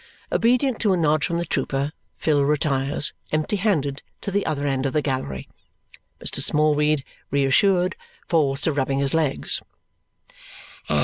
Obedient to a nod from the trooper, Phil retires, empty handed, to the other end of the gallery. Mr. Smallweed, reassured, falls to rubbing his legs.